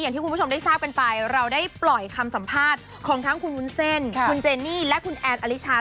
อย่างที่คุณผู้ชมได้ทราบกันไปเราได้ปล่อยคำสัมภาษณ์ของทั้งคุณวุ้นเส้นคุณเจนี่และคุณแอนอลิชา